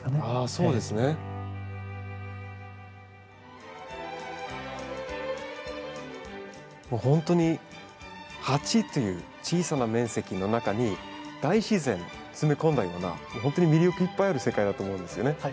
あそうですね。ほんとに鉢という小さな面積の中に大自然詰め込んだようなほんとに魅力いっぱいある世界だと思うんですよね。